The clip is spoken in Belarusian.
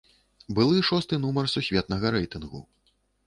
Былы шосты нумар сусветнага рэйтынгу.